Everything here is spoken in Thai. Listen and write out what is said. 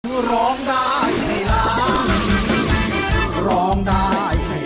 หรือร้องได้ไหนล่ะ